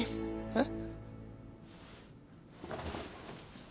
えっ？